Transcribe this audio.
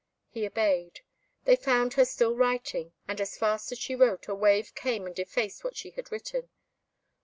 He obeyed. They found her still writing, and as fast as she wrote, a wave came and effaced what she had written.